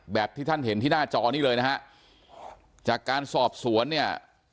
ที่ท่านเห็นที่หน้าจอนี้เลยนะฮะจากการสอบสวนเนี่ย